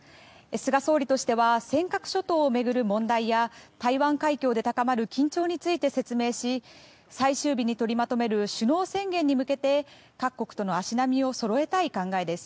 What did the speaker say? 菅総理としては尖閣諸島を巡る問題や台湾海峡で高まる緊張について説明し最終日に取りまとめる首脳宣言に向けて各国との足並みをそろえたい考えです。